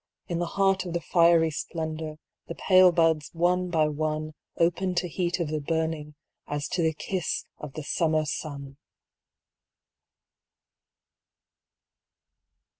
In the heart of the fiery splendor the pale buds, one by one, Opened to heat of the burning as to kiss of the summer sun!